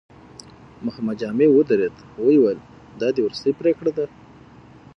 محمد جامي ودرېد، ويې ويل: دا دې وروستۍ پرېکړه ده؟